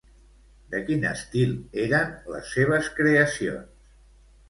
De quin estil eren les seves creacions?